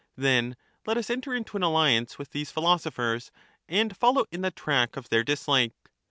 Then let us enter into an alliance with these philoso phers and follow in the track of their dislike.